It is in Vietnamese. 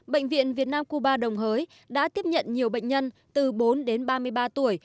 bệnh viện việt nam cuba đồng hới đã tiếp nhận nhiều bệnh nhân từ bốn đến ba mươi ba tuổi